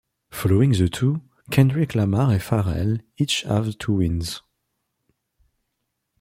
Following the two, Kendrick Lamar and Pharrell each have two wins.